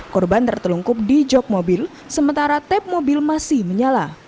korban tertelungkup di jog mobil sementara tap mobil masih menyala